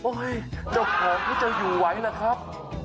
โอ้ยเจ้าของก็จะอยู่ไหวล่ะครับ